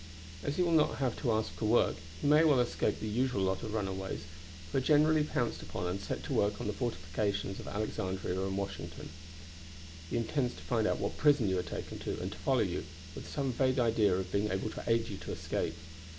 As he will not have to ask for work, he may escape the usual lot of runaways, who are generally pounced upon and set to work on the fortifications of Alexandria and Washington. "He intends to find out what prison you are taken to, and to follow you, with some vague idea of being able to aid you to escape.